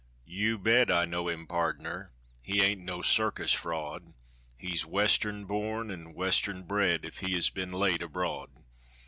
You bet I know him, pardner, he ain't no circus fraud, He's Western born and Western bred, if he has been late abroad.